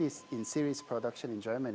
yang sudah di produksi serius di jerman